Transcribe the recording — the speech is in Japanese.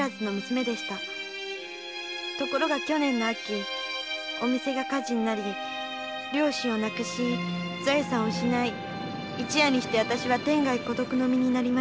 ところが去年の秋お店が火事になり両親を亡くし財産を失い一夜にしてあたしは天涯孤独の身になりました。